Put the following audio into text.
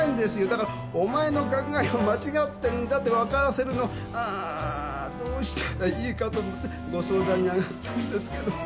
だから「お前の考えは間違ってんだ」って分からせるのあーどうしたらいいかと思ってご相談に上がったんですけども。